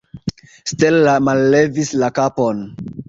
Stella mallevis la kapon.